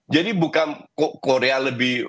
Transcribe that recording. jadi bukan korea lebih